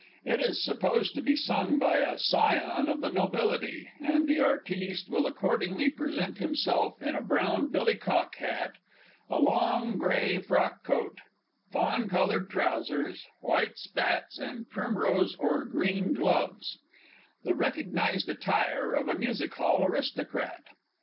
It is supposed to be sung by a scion of the nobility, and the artiste will accordingly present himself in a brown "billy cock" hat, a long grey frock coat, fawn coloured trousers, white "spats," and primrose, or green, gloves the recognised attire of a Music hall aristocrat.